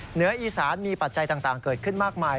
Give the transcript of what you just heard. เหนืออีสานมีปัจจัยต่างเกิดขึ้นมากมาย